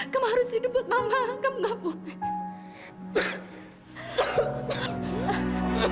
kamu harus hidup buat mama kamu gak bu